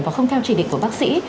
và không theo chỉ định của bác sĩ